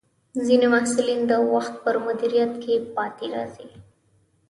ځینې محصلین د وخت پر مدیریت کې پاتې راځي.